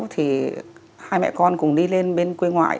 thì hai mẹ con cùng đi lên bên quê ngoại